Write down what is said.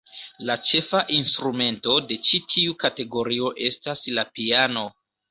La ĉefa instrumento de ĉi tiu kategorio estas la piano.